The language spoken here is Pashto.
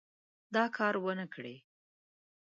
دا کار ونه کړي.